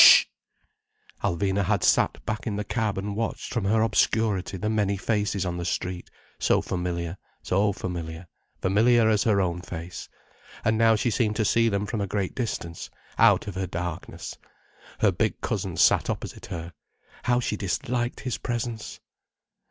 Sh!— Alvina had sat back in the cab and watched from her obscurity the many faces on the street: so familiar, so familiar, familiar as her own face. And now she seemed to see them from a great distance, out of her darkness. Her big cousin sat opposite her—how she disliked his presence.